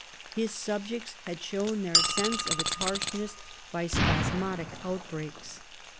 His .subjects had shown their sense of its harshness by spasmodic outbreaks.